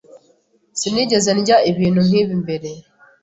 Sinigeze ndya ibintu nkibi mbere.